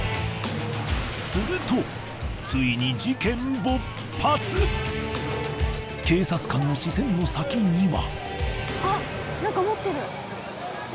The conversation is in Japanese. すると警察官の視線の先には。